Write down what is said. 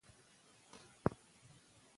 د ناڅاپه غوسې څپې فزیکي اغېزې هم لري.